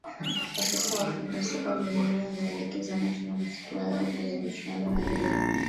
Kwa sasa wapenda soka duniani wameelekeza macho na masikio yao kwenye michuano ya Euro